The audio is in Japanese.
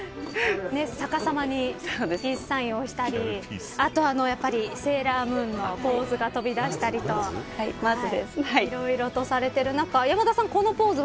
逆さまにピースサインをしたりあと、セーラームーンのポーズが飛び出したりといろいろとされてる中山田さん、このポーズは。